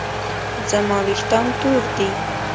زما ویښتان تور دي